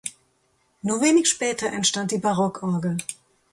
Nur wenig später entstand die Barockorgel.